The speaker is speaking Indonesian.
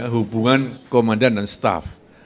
hubungan komandan dan staff